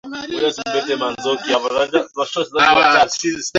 na Umoja wa Ulaya wamejipa kipindi cha